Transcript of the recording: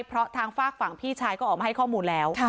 เพราะทางฝากฝั่งพี่ชายก็ออกมาให้ข้อมูลแล้ว